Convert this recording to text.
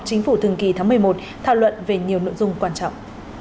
chính phủ thường kỳ tháng một mươi một thảo luận về nhiều nội dung quan trọng